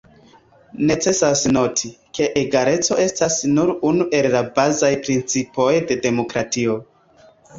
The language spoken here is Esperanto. Necesas noti, ke egaleco estas nur unu el la bazaj principoj de demokratio.